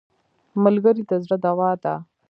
ملګری د زړه دوا ده